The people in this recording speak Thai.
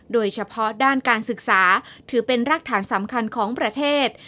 โดยเฉพาะด้านการศึกษาถือเป็นรากฐานสำคัญของประเทศ